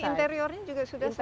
interiornya juga sudah selesai